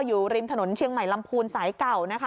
อยู่ริมถนนเชียงใหม่ลำพูนสายเก่านะคะ